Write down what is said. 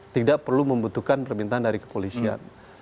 tidak perlu membutuhkan permintaan dari kepolisian